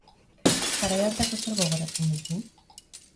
Garai hartako zer gogoratzen duzu?